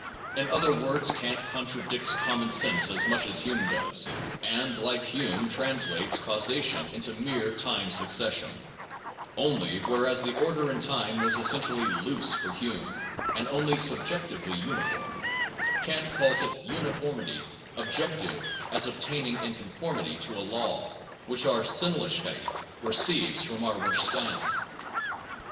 In other words Kant contradicts common sense as much as Hume does and, like Hume, translates caus ation into mere time succession; only, whereas the order in time was essentially loose for Hume and only subjectively uniform, Kant calls its uniformity * objective as obtaining in conformity to a law, which our Sinnlichkeit receives from our Ver stand.